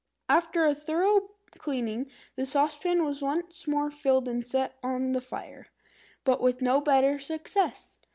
After a thorough cleaning, the saucepan was once more filled and set on the fire, but with no better success.